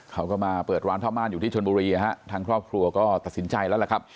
เขาก็มาเปิดร้านผ้าม่านอยู่ที่ชนบุรีทางครอบครัวก็ตัดสินใจแล้วล่ะครับ